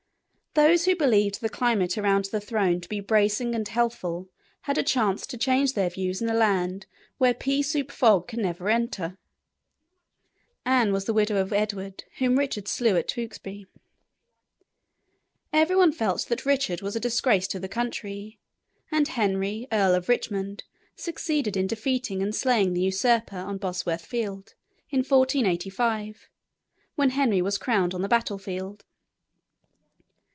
Those who believed the climate around the throne to be bracing and healthful had a chance to change their views in a land where pea soup fog can never enter. Anne was the widow of Edward, whom Richard slew at Tewkesbury. [Illustration: STONE COFFIN OF RICHARD III.] Every one felt that Richard was a disgrace to the country, and Henry, Earl of Richmond, succeeded in defeating and slaying the usurper on Bosworth Field, in 1485, when Henry was crowned on the battle field.